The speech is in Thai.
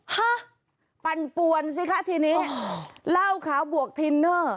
ฮะปั่นปวนสิคะทีนี้เหล้าขาวบวกทินเนอร์